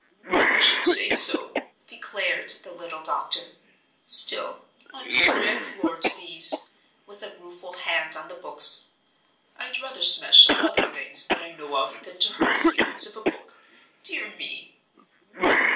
"I should say so," declared the little doctor; "still, I'm sorry I floored these," with a rueful hand on the books. "I'd rather smash some other things that I know of than to hurt the feelings of a book. Dear me!"